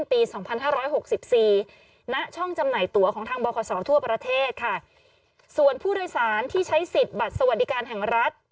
ที่ใช้สิทธิ์บัตรสวัสดิการแห่งรัฐ